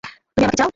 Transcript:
তুমি আমাকে চাও?